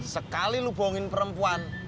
sekali lo bohongin perempuan